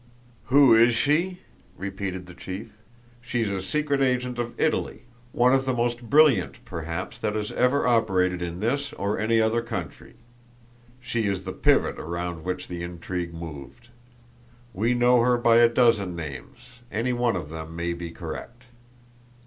"Who is she?" repeated the chief. "She's a secret agent of Italy, one of the most brilliant, perhaps, that has ever operated in this or any other country. She is the pivot around which the intrigue moved. We know her by a dozen names; any one of them may be correct."